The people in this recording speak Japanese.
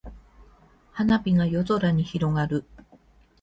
花火が夜空に広がる。